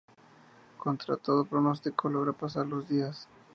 Contra todo pronóstico, logra pasar los días.